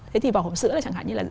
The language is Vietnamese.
thế thì vào hộp sữa là chẳng hạn như là